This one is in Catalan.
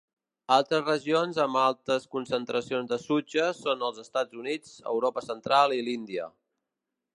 Altres regions amb altes concentracions de sutge són els Estats Units, Europa central i l'Índia.